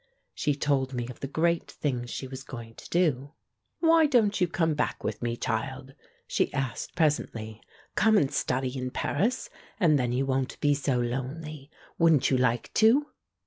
She told me of the great things she was going to do. "Why don't you come back with me, child?" she asked presently. "Come and study in Paris, and then you won't be so lonely. Wouldn't you like to?"